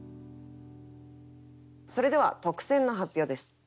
それでは特選の発表です。